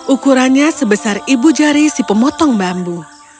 ukurannya sebesar ibu jari si pemotong bambu